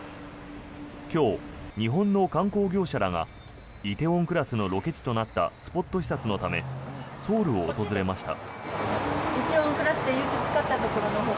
今日、日本の観光業者らが「梨泰院クラス」のロケ地となったスポット視察のためソウルを訪れました。